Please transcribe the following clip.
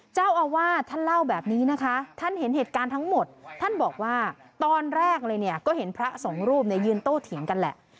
เจ้าอาวาสท่านเล่าแบบนี้นะคะท่านเห็นเหตุการณ์ทั้งหมดท่านบอกว่าตอนแรกเลยเนี่ยก็เห็นพระสองรูปเนี่ยยืนโต้เถียงกันแหละ